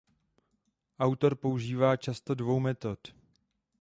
Autor používá často dvou metod.